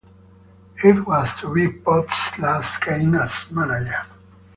It was to be Potts's last game as manager.